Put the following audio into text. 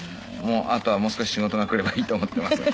あとはもう少し仕事が来ればいいと思っていますが。